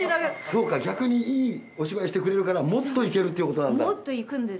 そうか逆にいいお芝居してくれるからもっと行けるっていうことなんだ。